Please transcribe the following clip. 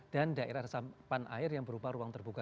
dan daerah resapan air yang berupa ruang terbuka hijau